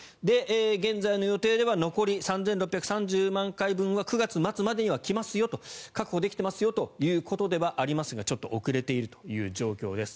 現在の予定では残り３６３０万回分は９月末までには来ますよと確保できてますよということではありますがちょっと遅れているという状況です。